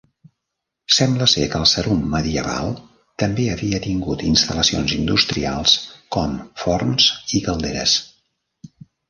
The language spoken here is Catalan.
Sembla ser que el Sarum medieval també havia tingut instal·lacions industrials com forns i calderes.